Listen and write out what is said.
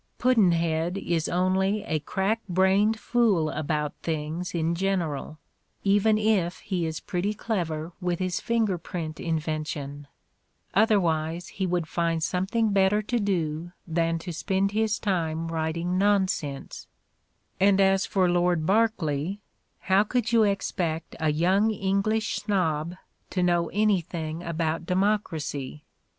Pudd'nhead is only a crack brained fool about things in general, even if he is pretty clever with his finger print invention — otherwise he would find something better to do than to spend his time writing nonsense; and as for Lord Berkeley, how could you expect a young English snob to know anything about democracy?